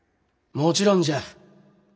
もちろんじゃ。